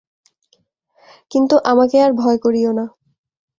কিন্তু আমাকে আর ভয় করিয়ো না।